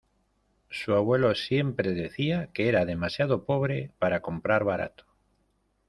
Su abuelo siempre decía que era demasiado pobre para comprar barato.